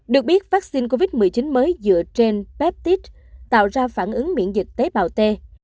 được biết vaccine covid một mươi chín mới dựa trên peptit tạo ra phản ứng miễn dịch tế bào t